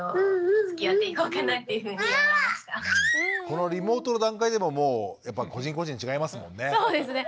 このリモートの段階でももうやっぱ個人個人違いますもんね。